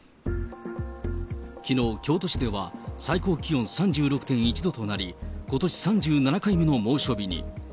きのう、京都市では、最高気温３６．１度となり、ことし３７回目の猛暑日に。